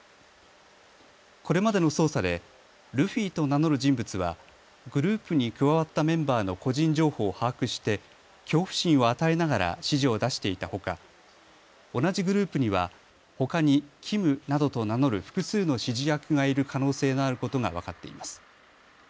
これまでの捜査でルフィと名乗る人物はグループに加わったメンバーの個人情報を把握して恐怖心を与えながら指示を出していたほか同じグループにはほかにキムなどと名乗る複数の指示役がいる可能性のあることが分かっています。